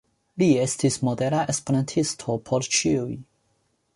Li estis modela esperantisto por ĉiuj.